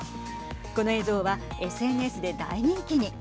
この映像はＳＮＳで大人気に。